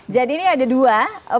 jadi ini ada dua